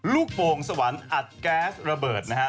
ลูกโมงสวันอัดแก๊สระเบิดนะคะ